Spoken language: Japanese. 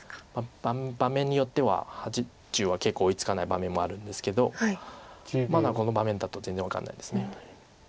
盤面によっては８０は結構追いつかない盤面もあるんですけどまだこの盤面だと全然分かんないです。